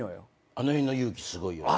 あの辺の勇気すごいよね。